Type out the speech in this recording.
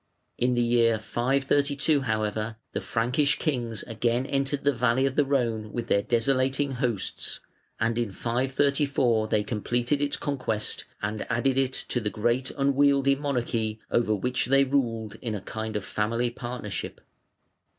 In the year 532, however, the Frankish kings again entered the valley of the Rhone with their desolating hosts, and in 534 they completed its conquest and added it to the great unwieldy monarchy over which they ruled in a kind of family partnership.